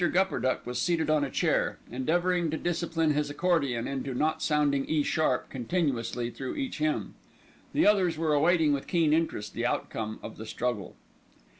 Gupperduck was seated on a chair, endeavouring to discipline his accordion into not sounding E sharp continuously through each hymn. The others were awaiting with keen interest the outcome of the struggle.